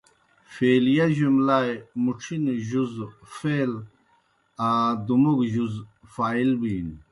فعلِیہ جُملائے مُڇِھنوْ جُز فعل آ دُوموگوْ جُز فاعل بِینو۔